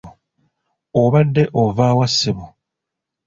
Obadde ova wa ssebo?